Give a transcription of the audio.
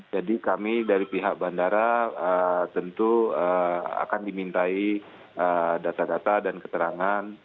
kami dari pihak bandara tentu akan dimintai data data dan keterangan